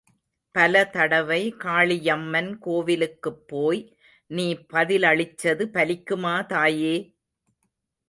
பலதடவை காளியம்மன் கோவிலுக்குப்போய் நீ பதிலளிச்சது பலிக்குமா தாயே?